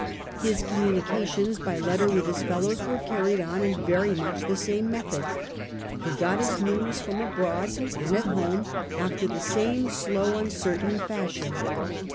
His communications by letter with his fellows were carried on in very much the same method. He got Ms news from abroad and at home after the same slow uncertain fashion.